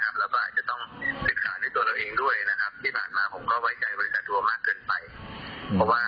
ตัวเราเองก็ไม่ได้มีเวลาเพราะเราต้องผ่าตัดทำงานทุกวัน